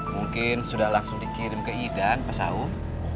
mungkin sudah langsung dikirim ke idang pak saun